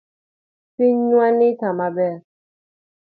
Pinywani kama ber.